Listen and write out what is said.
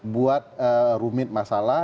buat rumit masalah